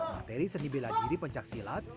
materi seni bela diri pencaksilat